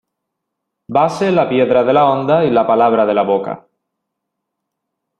Vase la piedra de la honda y la palabra de la boca.